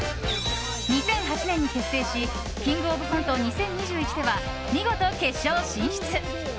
２００８年に結成し「キングオブコント２０２１」では見事、決勝進出。